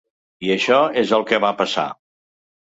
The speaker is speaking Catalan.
I això és el que va passar.